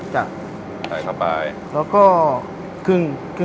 ใช่